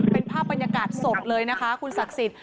เป็นภาพบรรยากาศสดเลยนะคะคุณศักดิ์สิทธิ